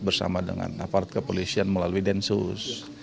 bersama dengan aparat kepolisian melalui densus